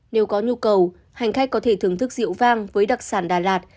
nếu có nhu cầu hành khách có thể thưởng thức rượu vang với đặc sản đà lạt